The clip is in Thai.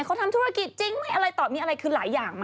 เขาทำธุรกิจจริงไม่อะไรตอบมีอะไรคือหลายอย่างมาก